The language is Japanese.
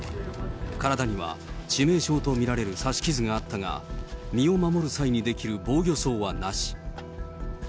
体には致命傷と見られる刺し傷があったが、身を守る際に出来る防御創はなし。